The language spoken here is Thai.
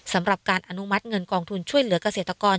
สำหรับการอนุมัติเงินกองทุนช่วยเหลือกเกษตรกร